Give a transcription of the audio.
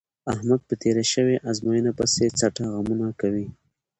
احمد په تېره شوې ازموینه پسې څټه غمونه کوي.